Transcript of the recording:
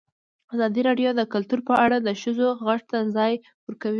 ازادي راډیو د کلتور په اړه د ښځو غږ ته ځای ورکړی.